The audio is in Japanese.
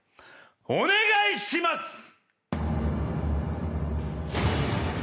お願いします！